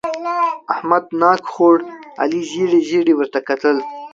احمد ناک خوړ؛ علي ژېړې ژېړې ورته کتل.